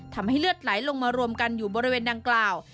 ทำให้เลือดไหลลงมารวมกันอยู่บริเวณดังกล่าว